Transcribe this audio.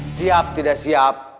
siap tidak siap